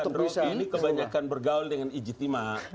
bukan roky ini kebanyakan bergaul dengan ijtma